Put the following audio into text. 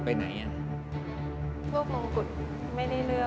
ผมขอบอกโพสต์ที่เชย